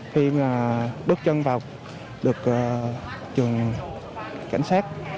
khi bước chân vào được trường cảnh sát